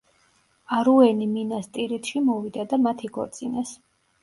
არუენი მინას ტირითში მოვიდა და მათ იქორწინეს.